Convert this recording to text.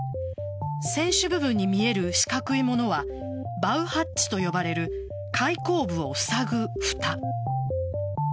船首部分に見える四角いものはバウハッチと呼ばれる開口部をふさぐふた。